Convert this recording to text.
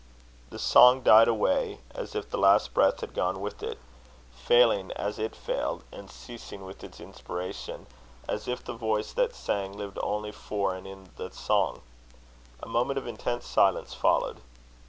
The song died away as if the last breath had gone with it; failing as it failed, and ceasing with its inspiration, as if the voice that sang lived only for and in the song. A moment of intense silence followed.